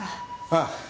ああ。